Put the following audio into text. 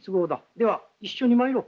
では一緒に参ろう。